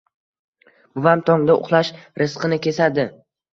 Buvam, tongda uxlash rizqni kesadi